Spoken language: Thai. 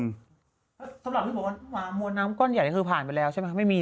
สำหรับที่บอกว่ามวลน้ำก้อนใหญ่นี่คือผ่านไปแล้วใช่ไหมครับไม่มี